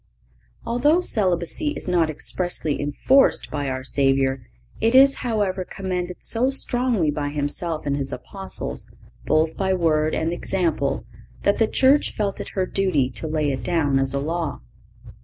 (522) Although celibacy is not expressly enforced by our Savior, it is, however, commended so strongly by Himself and His Apostles, both by word and example, that the Church felt it her duty to lay it down as a law.